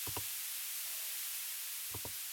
Éste le golpeó, algo que Banksy ha negado siempre.